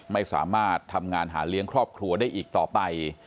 ไม่สามารถทำงานหาเลี้ยงครอบครัวได้อีกต่อไป